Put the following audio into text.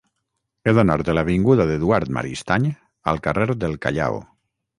He d'anar de l'avinguda d'Eduard Maristany al carrer del Callao.